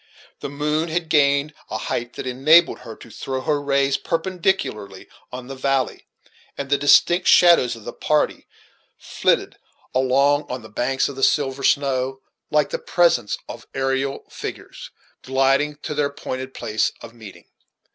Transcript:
The moon had gained a height that enabled her to throw her rays perpendicularly on the valley; and the distinct shadows of the party flitted along on the banks of the silver snow, like the presence of aerial figures, gliding to their appointed place of meeting.